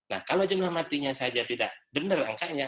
nah kalau jumlah matinya saja tidak benar angkanya